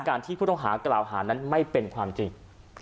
ที่ผู้ต้องหากล่าวหานั้นไม่เป็นความจริง